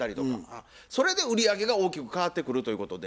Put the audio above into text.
それで売り上げが大きく変わってくるということで。